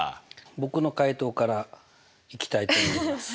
僕の解答からいきたいと思います。